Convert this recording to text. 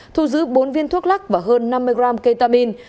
thu giữ bốn viên thuốc lắc và hơn năm mươi gram ketamine